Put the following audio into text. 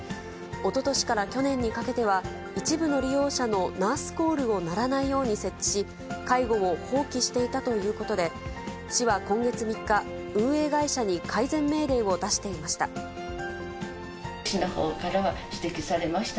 おととしから去年にかけては、一部の利用者のナースコールを鳴らないように設置し、介護を放棄していたということで、市は今月３日、運営会社に改善命令を出していました。